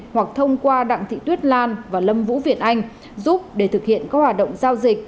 hoặc thông qua đặng thị tuyết lan và lâm vũ việt anh giúp để thực hiện các hoạt động giao dịch